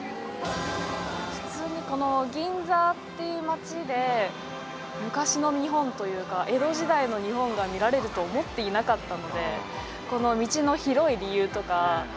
普通にこの銀座っていう街で昔の日本というか江戸時代の日本が見られると思っていなかったので。